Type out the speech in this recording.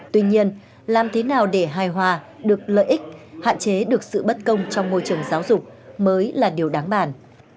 tuy nhiên làm thế nào để hài hòa được lợi ích hạn chế được sự bất công trong môi trường giáo dục mới là điều đáng bản